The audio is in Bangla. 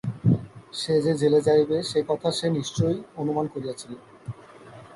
সে যে জেলে যাইবে সে কথা সে নিশ্চয় অনুমান করিয়াছিল।